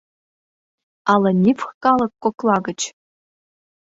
Ала нивх калык кокла гыч?